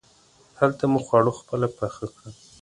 هلته مو خواړه خپله پاخه کړل.